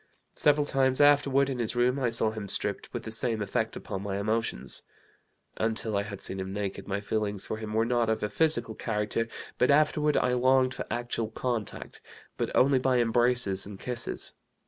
Several times afterward, in his room, I saw him stripped, with the same effect upon my emotions. Until I had seen him naked my feelings for him were not of a physical character, but afterward I longed for actual contact, but only by embraces and kisses.